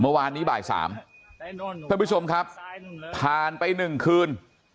เมื่อวานนี้บ่าย๓ท่านผู้ชมครับผ่านไป๑คืน